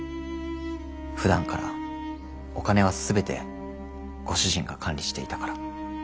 ふだんからお金は全てご主人が管理していたから。